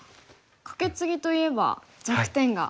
カケツギといえば弱点が。